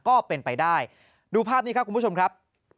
ก็เป็นไปได้ดูภาพนี้ครับคุณผู้ชมครับ